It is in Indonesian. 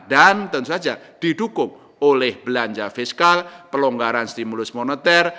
dan tentu saja didukung oleh belanja fiskal pelonggaran stimulus moneter